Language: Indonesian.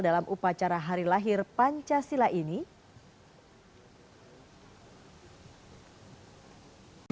dalam upacara hari lahir pancasila ini